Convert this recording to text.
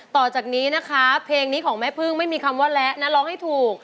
ต่อจากนี้นะคะเพลงนี้ของแม่พึ่งไม่มีคำว่าและนะร้องให้ถูก